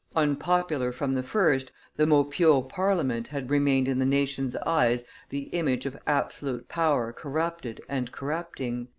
Unpopular from the first, the Maupeou Parliament had remained in the nation's eyes the image of absolute power corrupted and corrupting.